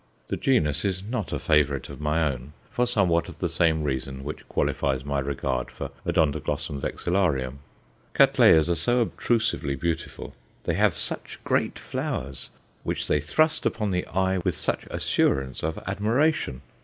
The genus is not a favourite of my own, for somewhat of the same reason which qualifies my regard for O. vexillarium. Cattleyas are so obtrusively beautiful, they have such great flowers, which they thrust upon the eye with such assurance of admiration!